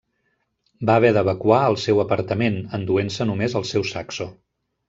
Va haver d'evacuar el seu apartament, enduent-se només el seu saxo.